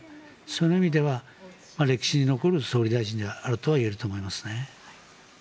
その意味では歴史に残る総理大臣ではあるといえると思いますね。